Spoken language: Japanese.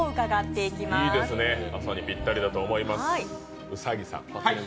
いいですね、朝にぴったりだと思います。